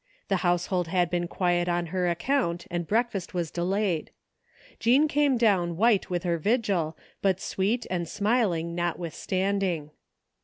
The household had been quiet on her account, and breakfast was delayed Jean came down white widi her vigil, but sweet and smiling notwithstanding.